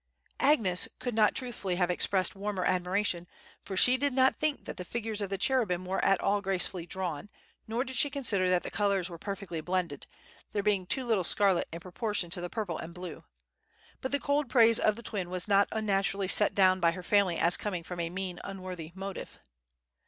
Agnes could not truthfully have expressed warmer admiration, for she did not think that the figures of the cherubim were at all gracefully drawn, nor did she consider that the colors were perfectly blended, there being too little scarlet in proportion to the purple and blue. But the cold praise of the twin was not unnaturally set down by her family as coming from a mean, unworthy motive.